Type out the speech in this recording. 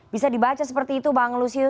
bisa dibaca seperti itu bang lusius